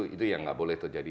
itu yang nggak boleh terjadi